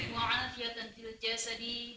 wa alfiyatan fil jasadi